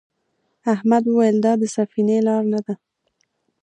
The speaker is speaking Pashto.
احمد وویل دا د سفینې لار نه ده.